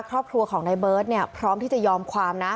ครอบครัวของนายเบิร์ตเนี่ยพร้อมที่จะยอมความนะ